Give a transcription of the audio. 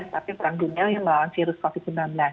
tapi perang dunia yang melawan virus covid sembilan belas